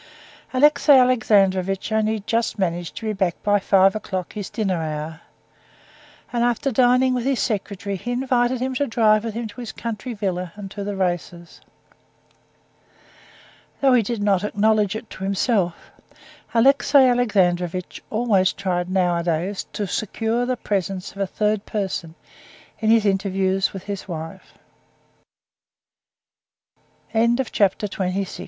Alexey Alexandrovitch only just managed to be back by five o'clock, his dinner hour, and after dining with his secretary, he invited him to drive with him to his country villa and to the races. Though he did not acknowledge it to himself, Alexey Alexandrovitch always tried nowadays to secure the presence of a third person in his interviews with his wife. Chapter 27 Anna was up